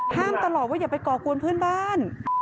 ตลอดว่าอย่าไปก่อกวนเพื่อนบ้าน